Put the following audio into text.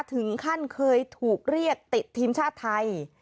ถึงขั้นเคยถูกเรียกติดทีมชาติไทย